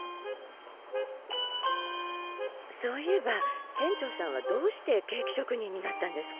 そういえば店長さんはどうしてケーキ職人になったんですか？